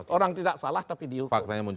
orang tidak salah tapi dihukum